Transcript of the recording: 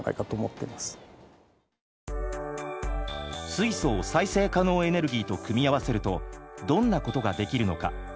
水素を再生可能エネルギーと組み合わせるとどんなことができるのか？